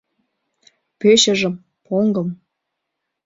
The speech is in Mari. Пӧчыжым, поҥгым